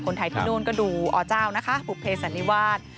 คนไทยที่นู่นก็ดูอเจ้านะคะบุภเพสันนิวาส